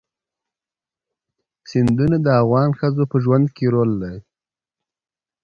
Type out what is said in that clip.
سیندونه د افغان ښځو په ژوند کې رول لري.